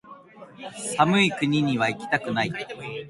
寒い国にはいきたくない